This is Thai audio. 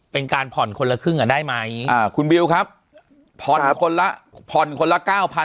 เป็นการผ่อนคนละครึ่งอ่ะได้ไหมคุณบิวครับผ่อนคนละ๙๐๐๐